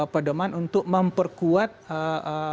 pada mana untuk memperkuat bangunan